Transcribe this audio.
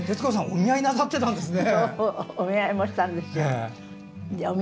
お見合いなさってたんですね。